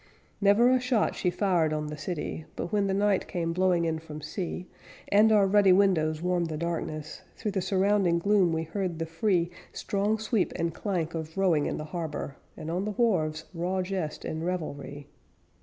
Never a shot she fired on the city, But, when the night came blowing in from sea, And our ruddy windows warmed the darkness, Through the surrounding gloom we heard the free Strong sweep and clank of rowing in the harbor, And on the wharves raw jest and revelry.